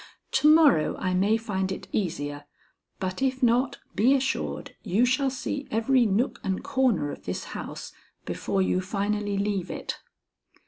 To morrow I may find it easier; but, if not, be assured you shall see every nook and corner of this house before you finally leave it."